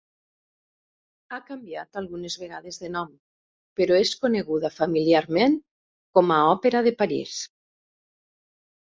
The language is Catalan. Ha canviat algunes vegades de nom, però és coneguda familiarment com a Òpera de París.